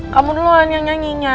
kamu duluan yang nyanyinya